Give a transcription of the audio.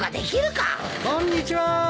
・・こんにちは！